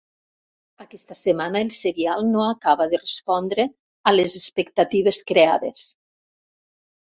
Aquesta setmana el serial no acaba de respondre a les expectatives creades.